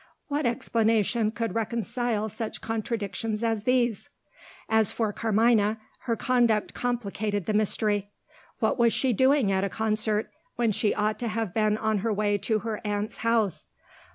What explanation could reconcile such contradictions as these? As for Carmina, her conduct complicated the mystery. What was she doing at a concert, when she ought to have been on her way to her aunt's house?